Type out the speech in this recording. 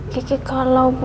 kiki galau bu